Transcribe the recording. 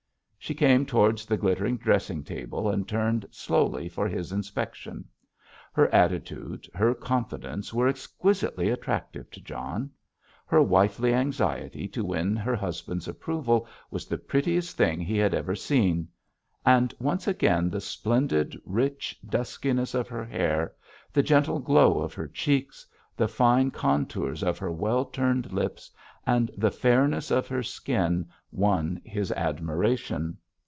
She came towards the glittering dressing table and turned slowly for his inspection. Her attitude, her confidence were exquisitely attractive to John. Her wifely anxiety to win her husband's approval was the prettiest thing he had ever seen. And once again the splendid rich duskiness of her hair, the gentle glow of her cheeks, the fine contours of her well turned lips, and the fairness of her skin won his admiration.